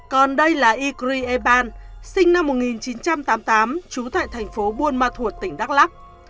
còn đây là ikri eban sinh năm một nghìn chín trăm tám mươi tám trú tại thành phố buôn ma thuột tỉnh đắk lắc